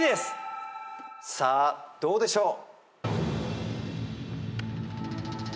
さあどうでしょう？